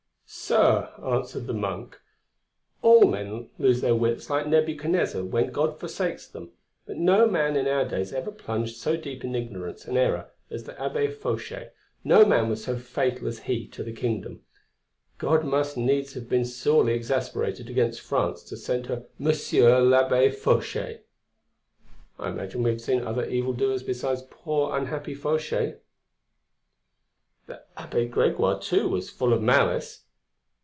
"Sir," answered the Monk, "all men lose their wits like Nebuchadnezzar, when God forsakes them; but no man in our days ever plunged so deep in ignorance and error as the Abbé Fauchet, no man was so fatal as he to the kingdom. God must needs have been sorely exasperated against France to send her Monsieur l'Abbé Fauchet!" "I imagine we have seen other evil doers besides poor, unhappy Fauchet." "The Abbé Gregoire too, was full of malice."